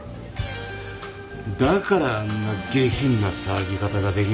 だからあんな下品な騒ぎ方ができるんだな。